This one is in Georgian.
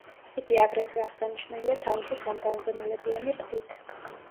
იგი აგრეთვე აღსანიშნავია თავისი სამგანზომილებიანი ყდით.